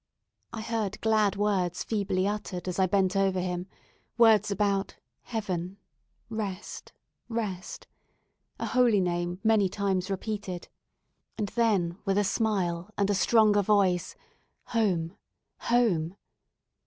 I heard glad words feebly uttered as I bent over him words about "Heaven rest rest" a holy Name many times repeated; and then with a smile and a stronger voice, "Home! home!"